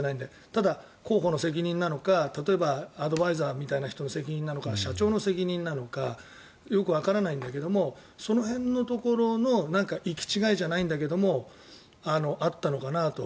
ただ、広報の責任なのか例えばアドバイザーみたいな人の責任なのか社長の責任なのかよくわからないけどその辺のところの行き違いじゃないけどあったのかなと。